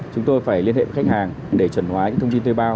chúng tôi phải liên hệ với khách hàng để chuẩn hóa những thông tin thuê bao